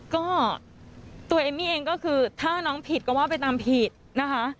ก็ตัวเอมมี่เองก็คือถ้าน้องผิดก็ว่าไปตามผิดนะคะ